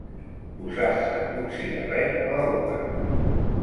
Posar-se un cigarret a la boca.